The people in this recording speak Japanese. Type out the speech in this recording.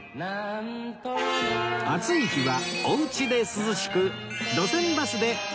暑い日はおうちで涼しく